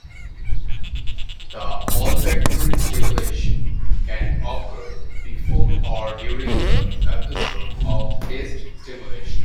The olfactory stimulation can occur before or during the episode of taste stimulation.